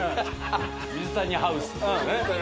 水谷ハウス。